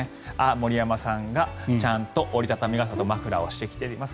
森山さんがちゃんと折り畳み傘とマフラーをしてきています。